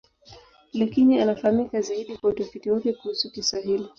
Lakini anafahamika zaidi kwa utafiti wake kuhusu Kiswahili.